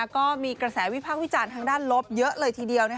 ก็มีกระแสวิพากษ์วิจารณ์ทางด้านลบเยอะเลยทีเดียว